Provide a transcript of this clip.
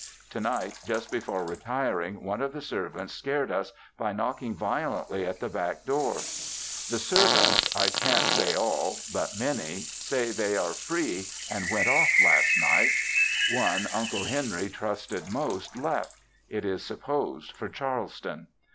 Tonight, just before retiring one of the servants scared us by knocking violently at the back door. The servants, I can't say all, but many, say they are free and went off last night; one Uncle Henry trusted most left, it is supposed, for Charleston.